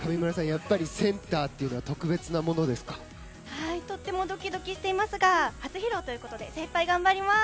やっぱりセンターっていうのはとってもドキドキしていますが初披露ということで精いっぱい、頑張ります。